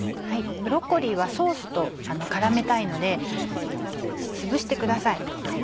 ブロッコリーはソースと絡めたいのでつぶしてください。